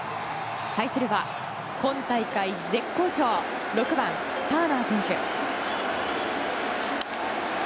対するは今大会絶好調６番、ターナー選手。